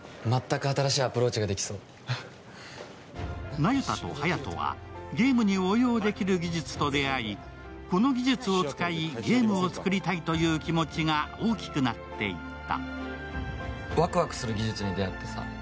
那由他と隼人はゲームに応用できる技術と出会い、この技術を使い、ゲームを作りたいという気持ちが大きくなっていった。